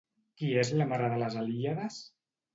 Qui és la mare de les Helíades?